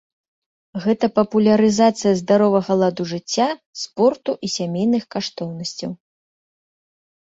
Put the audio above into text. Гэта папулярызацыя здаровага ладу жыцця, спорту і сямейных каштоўнасцяў.